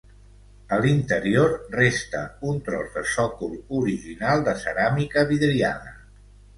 A l'interior resta un tros de sòcol original de ceràmica vidriada.